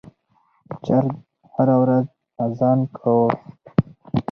چرګ هره ورځ اذان کاوه.